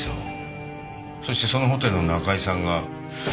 そしてそのホテルの仲居さんが美奈子さん？